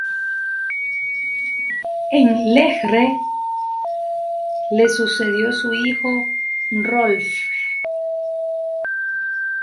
En Lejre, le sucedió su hijo Hrólfr.